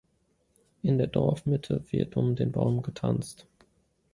In der Dorfmitte wird um den Baum getanzt.